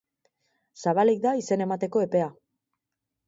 Zabalik da izen emateko epea.